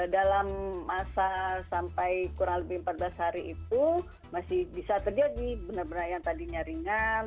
dalam masa sampai kurang lebih empat belas hari itu masih bisa terjadi benar benar yang tadinya ringan